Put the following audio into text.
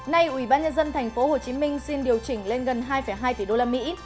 nay ủy ban nhân dân thành phố hồ chí minh xin điều chỉnh lên gần hai hai tỷ đô la mỹ